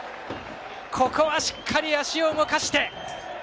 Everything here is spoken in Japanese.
ここはしっかり足を動かして。